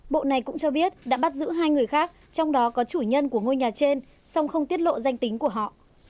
bộ này cũng cho biết đã bắt giữ hai người khác trong đó có chủ nhân của ngôi nhà trên song không tiết lộ danh tính của họ